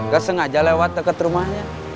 gak sengaja lewat deket rumahnya